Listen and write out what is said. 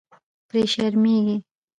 پرې شرمېږي.